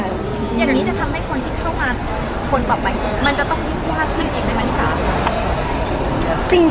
อย่างนี้จะทำให้คนที่เข้ามาคนต่อไปมันจะต้องยุ่งยากขึ้นอีกไหมคะพี่จ๋า